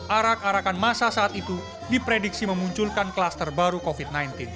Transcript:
arak arakan masa saat itu diprediksi memunculkan kluster baru covid sembilan belas